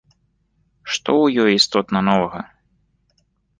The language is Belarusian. Што ў ёй істотна новага?